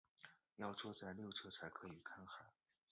要坐在右侧才可以看海